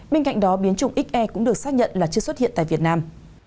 bên cạnh đó biến chủng xe cũng được xác nhận là chưa xuất hiện tại việt nam